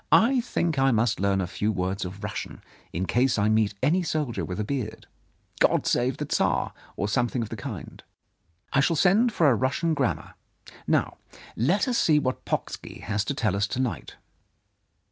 I think I must learn a few words of Russian, in case I meet any soldier with a beard —' God Save the Tsar !' or something of the kind. I shall send for a Russian grammar. Now, let us see what Pocksky has to tell us to night."